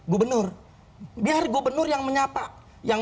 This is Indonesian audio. gubernur biar gubernur yang menyapa